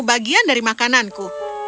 bagian dari makananku